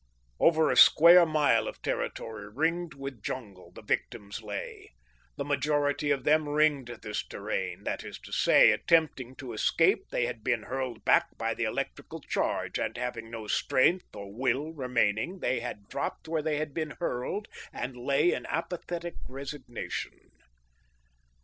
Over a square mile of territory, ringed with jungle the victims lay. The majority of them ringed this terrain; that is to say, attempting to escape, they had been hurled back by the electrical charge, and, having no strength or will remaining, they had dropped where they had been hurled, and lay in apathetic resignation.